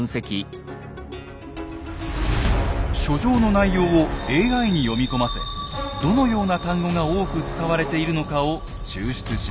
書状の内容をＡＩに読み込ませどのような単語が多く使われているのかを抽出します。